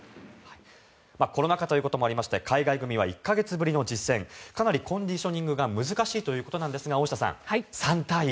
コロナ禍ということもありまして海外組は１か月ぶりの実戦かなりコンディショニングが難しいということなんですが大下さん、３対１。